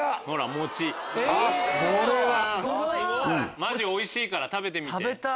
マジおいしいから食べてみて。